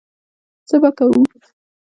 څه به کوو.